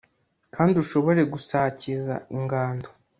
kandi ushobore gusakiza ingando